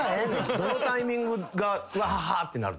どのタイミングがわははってなるの？